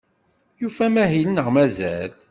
Yufa amahil neɣ mazal?